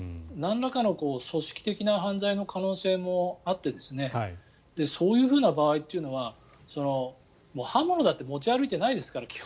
なんらかの組織的な犯罪の可能性もあってそういうふうな場合というのは刃物だって持ち歩いていないですから